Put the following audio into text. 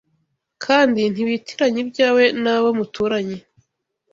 kandi ntibitiranya ibyawe nabo muturanye